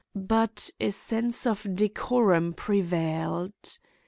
But a sense of decorum prevented.